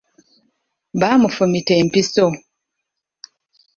Bamufumita empiso.